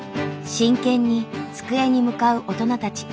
真剣に机に向かう大人たち。